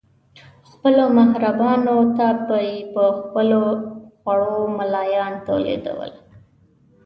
خپلو محرابونو ته به یې په خپلو خوړو ملایان تولیدول.